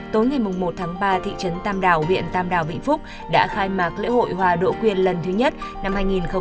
tối ngày một ba thị trấn tam đảo biện tam đảo vĩnh phúc đã khai mạc lễ hội hoa đỗ quyên lần thứ nhất năm hai nghìn hai mươi bốn